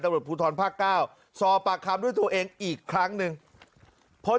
หาวหาวหาวหาวหาวหาวหาวหาวหาวหาว